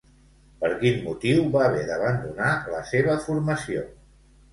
Per quin motiu va haver d'abandonar la seva formació?